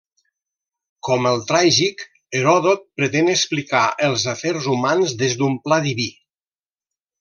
Com el tràgic, Heròdot pretén explicar els afers humans des d'un pla diví.